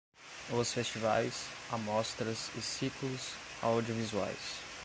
Os festivais, amostras e ciclos audiovisuais.